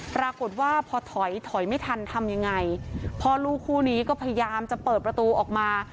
ปรากฏว่าพอถอยถอยไม่ทันทำยังไงพ่อลูกคู่นี้ก็พยายามจะเปิดประตูออกมา